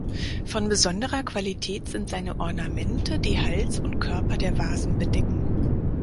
Von besonderer Qualität sind seine Ornamente, die Hals und Körper der Vasen bedecken.